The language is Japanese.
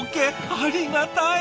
ありがたい！